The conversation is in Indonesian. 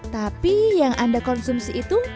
tapi yang anda konsumsi itu